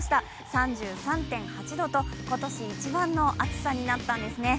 ３３．８度と、今年一番の暑さになったんですね。